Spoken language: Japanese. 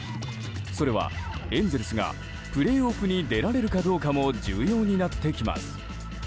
それは、エンゼルスがプレーオフに出られるかどうかも重要になってきます。